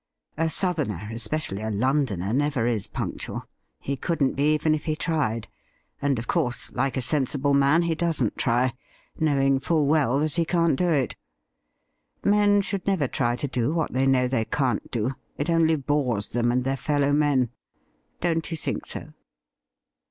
A Southerner, especially a Londoner, never is punctual— he couldn't be, even if he tried ; and, of course, like a sensible man, he doesn't try, knowing full well that 152 THE RIDDLE RING he can't do it. Men should never try to do what they know they can't do ; it only bores them and their fellow men. Don't you think so